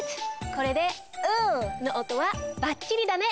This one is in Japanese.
これで“ｌ”の音はバッチリだね！